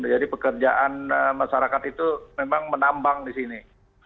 jadi pekerjaan masyarakat itu memang menambang di sini